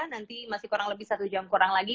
nanti masih kurang lebih satu jam kurang lagi